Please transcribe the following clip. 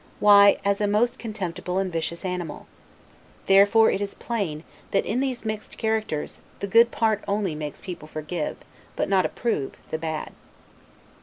Why, as a most contemptible and vicious animal. Therefore it is plain, that in these mixed characters, the good part only makes people forgive, but not approve, the bad.